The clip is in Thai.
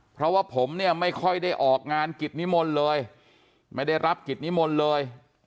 เพราะว่าผมเนี่ยไม่ค่อยได้ออกงานกิจนิมนต์เลยไม่ได้รับกิจนิมนต์เลย